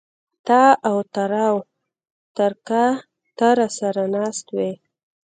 تااو تراو تر کا ته را سر ه ناست وې